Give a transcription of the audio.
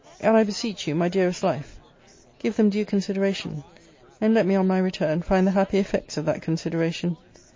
And I beseech you, my dearest life, give them due consideration: and let me on my return find the happy effects of that consideration.